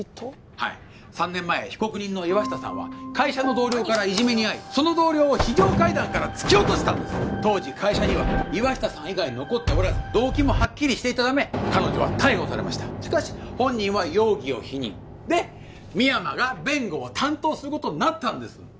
はい３年前被告人の岩下さんは会社の同僚からいじめに遭いその同僚を非常階段から突き落としたんです当時会社には岩下さん以外残っておらず動機もハッキリしていたため彼女は逮捕されましたしかし本人は容疑を否認で深山が弁護を担当することになったんですでも俺と深山が調べたかぎり彼女は間違いなく黒でした